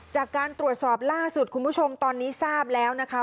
จากการตรวจสอบล่าสุดคุณผู้ชมตอนนี้ทราบแล้วนะคะ